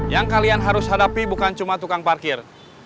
yang kalian harus hadapi bukan cuma tukang parkir